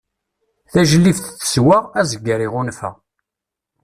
Tajlibt teswa, azger iɣunfa.